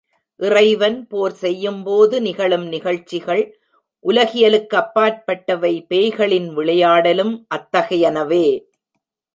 இறைவன் போர் செய்யும் போது நிகழும் நிகழ்ச்சிகள் உலகியலுக்கு அப்பாற்பட்டவை பேய்களின் விளையாடலும் அத்தகையனவே.